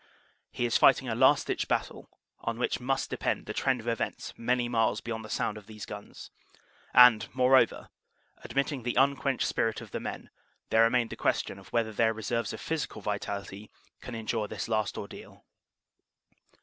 He is fighting a last ditch battle on which must depend the trend of events many miles beyond sound of these guns. And, moreover, admitting the unquenched spirit of the men, there remained the question of whether their reserves of physical vitality can endure this last ordeal.